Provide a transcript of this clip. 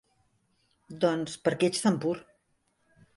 Doncs, perquè ets tan pur.